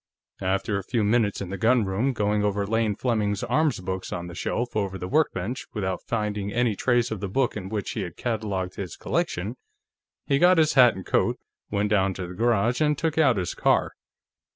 After a few minutes in the gunroom, going over Lane Fleming's arms books on the shelf over the workbench without finding any trace of the book in which he had catalogued his collection, he got his hat and coat, went down to the garage, and took out his car.